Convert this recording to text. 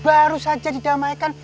baru saja didamaikan